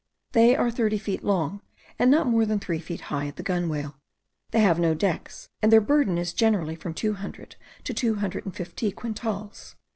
They are thirty feet long, and not more than three feet high at the gunwale; they have no decks, and their burthen is generally from two hundred to two hundred and fifty quintals.